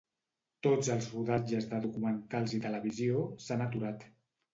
Tots els rodatges de documentals i televisió s'han aturat.